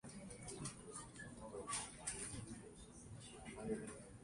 目前台特玛湖现有水源主要来自车尔臣河的补给。